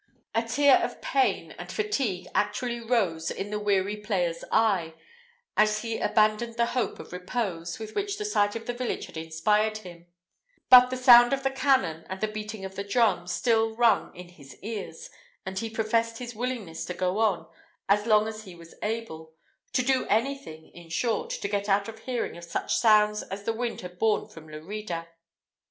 A tear of pain and fatigue actually rose in the weary player's eye, as he abandoned the hope of repose with which the sight of the village had inspired him; but the sound of the cannon, and the beating of the drum, still rung in his ears, and he professed his willingness to go on, as long as he was able to do anything, in short, to get out of hearing of such sounds as the wind had borne from Lerida.